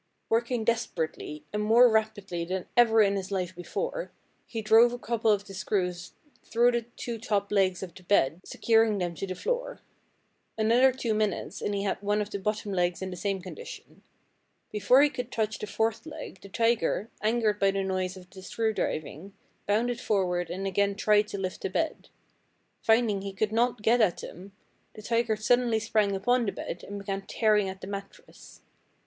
"Working desperately, and more rapidly than ever in his life before, he drove a couple of the screws through the two top legs of the bed, securing them to the floor. Another two minutes and he had one of the bottom legs in the same condition. Before he could touch the fourth leg the tiger, angered by the noise of the screw driving, bounded forward and again tried to lift the bed. Finding he could not get at them, the tiger suddenly sprang upon the bed and began tearing at the mattress.